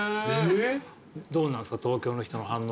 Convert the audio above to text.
どうなんすか？